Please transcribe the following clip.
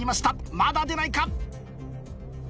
まだ出ないか？